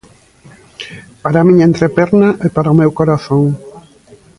Para a miña entreperna e para o meu corazón.